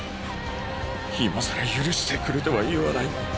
今さら許してくれとは言わない。